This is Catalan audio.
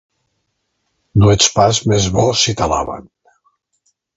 No ets pas més bo si t'alaben.